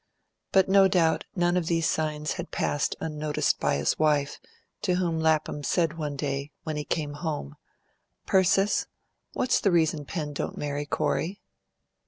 But no doubt none of these signs had passed unnoticed by his wife, to whom Lapham said one day, when he came home, "Persis, what's the reason Pen don't marry Corey?"